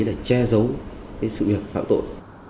để che giấu cái sự việc phạm tội